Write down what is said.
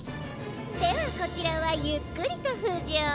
ではこちらはゆっくりとふじょう。